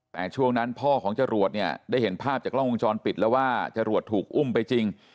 แต่ช่วงนั้นพ่อของจรวดเนี่ยได้เห็นภาพจากกล้องวงจรปิดแล้วว่าจรวดถูกอุ้มไปจริง